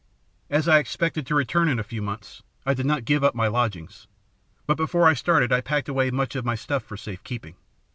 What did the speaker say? As I expected to return in a few months, I did not give up my lodgings, but before I started I packed away much of my stuff for safe keeping.